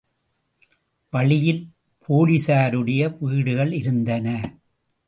வழியில் போலிஸாருடைய வீடுகளிருந்தன.